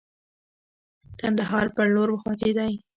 کندهار پر لور وخوځېدی.